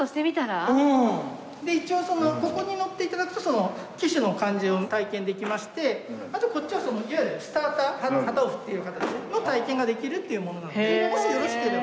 一応ここに乗って頂くと騎手の感じを体験できましてあとこっちはスターター旗を振っている方ですねの体験ができるっていうものでもしよろしければ。